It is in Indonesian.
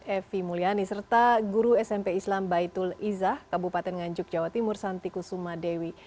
evi mulyani serta guru smp islam baitul izah kabupaten nganjuk jawa timur santi kusuma dewi